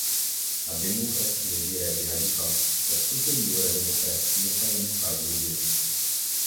A democracia direta e radical é superior à democracia parlamentar burguesa